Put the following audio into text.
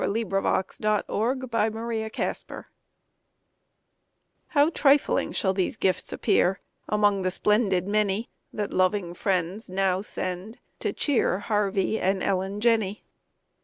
WITH TWO SPOONS FOR TWO SPOONS How trifling shall these gifts appear Among the splendid many That loving friends now send to cheer Harvey and Ellen Jenney.